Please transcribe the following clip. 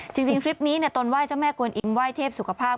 ทริปนี้ตนไห้เจ้าแม่กวนอิงไห้เทพสุขภาพ